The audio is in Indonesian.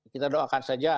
kita doakan saja